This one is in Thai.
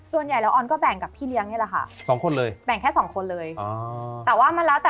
ส่วนใหญ่แล้วออนก็แบ่งกับพี่เลี้ยงเนี่ยแหละค่ะ